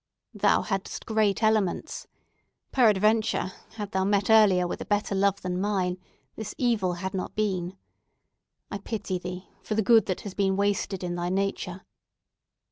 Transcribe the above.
"Thou hadst great elements. Peradventure, hadst thou met earlier with a better love than mine, this evil had not been. I pity thee, for the good that has been wasted in thy nature."